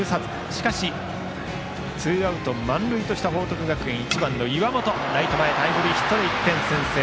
しかし、ツーアウト満塁とした報徳学園１番の岩本ライト前タイムリーヒットで１点先制。